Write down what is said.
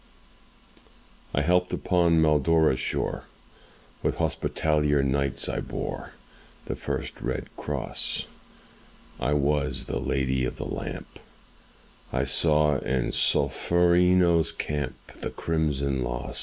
I helped upon Haldora's shore; With Hospitaller Knights I bore The first red cross; I was the Lady of the Lamp; I saw in Solferino's camp The crimson loss.